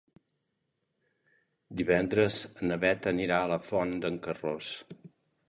Divendres na Beth anirà a la Font d'en Carròs.